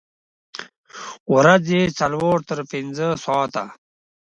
ورځې څلور تر پنځه ساعته